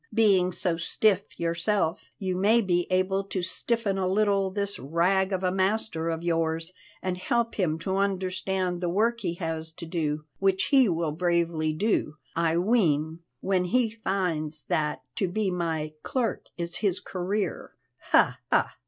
Being so stiff yourself, you may be able to stiffen a little this rag of a master of yours and help him to understand the work he has to do, which he will bravely do, I ween, when he finds that to be my clerk is his career. Ha! ha!